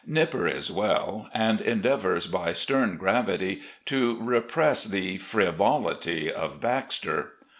Nipper is well, and endeavours, by stem gravity, to repress the frivolity of Baxter.